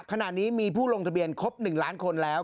ขณะนี้มีผู้ลงทะเบียนครบ๑ล้านคนแล้ว